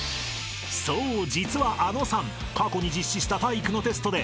［そう実はあのさん過去に実施した体育のテストで］